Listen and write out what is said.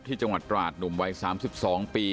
ที่จังหวัดตราดหนุ่มวัย๓๒ปี